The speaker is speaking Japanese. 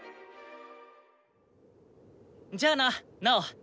じゃあなナオ！